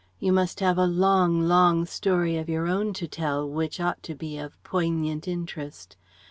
You must have a long, long story of your own to tell which ought to be of poignant interest.